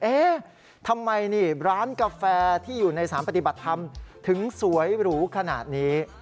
เอ๊ะทำไมนี่ร้านกาแฟที่อยู่ในสารปฏิบัติธรรมถึงสวยหรูขนาดนี้